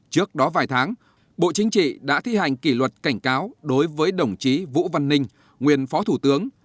trước đó vài tháng bộ chính trị đã thi hành kỷ luật cảnh cáo đối với đồng chí vũ văn ninh nguyên phó thủ tướng